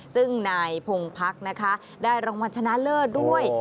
ซึ่งนายพงพักนะคะได้รางวัลชนะเลิศด้วย